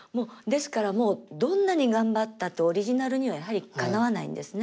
ですからもうどんなに頑張ったってオリジナルにはやはりかなわないんですね。